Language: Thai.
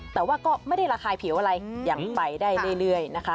แต่ว่าก็ไม่ได้ระคายผิวอะไรอย่างไปได้เรื่อยนะคะ